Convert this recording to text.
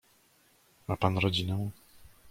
"Ma pan rodzinę?"